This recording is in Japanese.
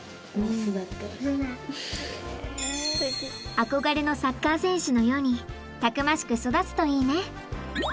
憧れのサッカー選手のようにたくましく育つといいね。